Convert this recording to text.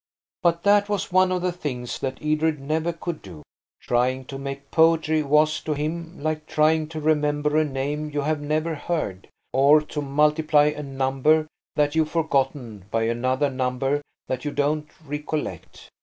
But that was one of the things that Edred never could do. Trying to make poetry was, to him, like trying to remember a name you have never heard, or to multiply a number that you've forgotten by another number that you don't recollect.